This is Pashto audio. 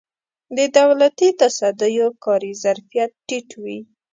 د دولتي تصدیو کاري ظرفیت ټیټ وي.